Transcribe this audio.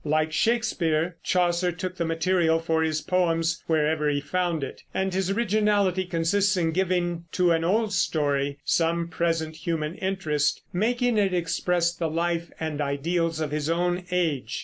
Like Shakespeare, Chaucer took the material for his poems wherever he found it, and his originality consists in giving to an old story some present human interest, making it express the life and ideals of his own age.